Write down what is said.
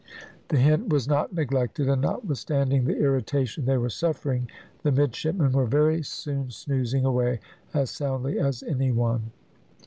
The hint was not neglected, and notwithstanding the irritation they were suffering, the midshipmen were very soon snoozing away as soundly as any one.